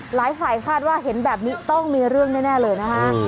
หลายฝ่ายคาดว่าเห็นแบบนี้ต้องมีเรื่องแน่เลยนะคะ